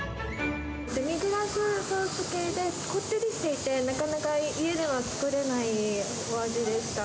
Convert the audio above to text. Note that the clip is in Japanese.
デミグラスソース系で、こってりしていて、なかなか家では作れないお味でした。